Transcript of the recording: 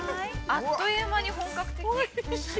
◆あっという間に本格的。